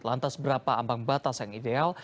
lantas berapa ambang batas yang ideal